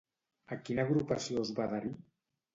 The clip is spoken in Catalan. A quina agrupació es va adherir?